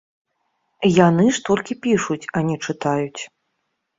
Яны ж толькі пішуць, а не чытаюць.